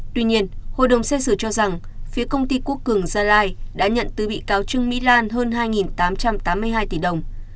tuy nhiên hội đồng xét xử cho rằng phía công ty quốc cường gia lai đã nhận từ bị cáo trương mỹ lan hơn hai tám trăm tám mươi hai tỷ đồng